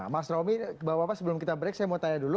mas romi bapak bapak sebelum kita break saya mau tanya dulu